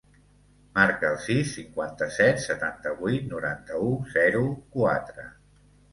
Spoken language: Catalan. Marca el sis, cinquanta-set, setanta-vuit, noranta-u, zero, quatre.